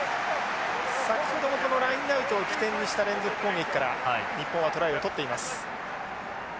先ほどのラインアウトを起点にした連続攻撃から日本はトライを取っています。